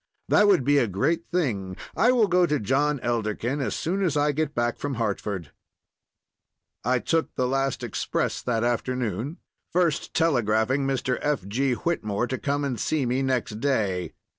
That would be a great thing; I will go to John Elderkin as soon as I get back from Hartford." I took the last express that afternoon, first telegraphing Mr. F. G. Whitmore to come and see me next day.